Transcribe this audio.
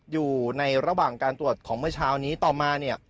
อยู่ในระหว่างการตรวจของเมื่อเช้านี้ต่อมาเนี่ย